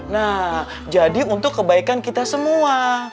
nah jadi untuk kebaikan kita semua